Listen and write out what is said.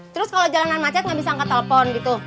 terus kalo jalanan ma chat gak bisa angkat telepon gitu